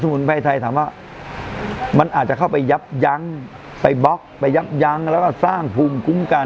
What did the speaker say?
ถามว่าสมุนไพรไทยมันฆ่ามะเร็งได้ไหมจริงสมุนไพรไทยถามว่ามันอาจจะเข้าไปยับยั้งไปบล็อกไปยับยั้งแล้วก็สร้างภูมิคุ้มกัน